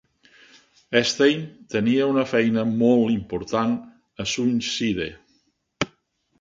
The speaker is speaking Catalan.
Stein tenia una feina molt important a Sunnyside.